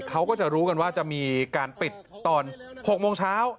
เขาก็จะรู้กันว่าจะมีการปิดตอน๖โมงเช้า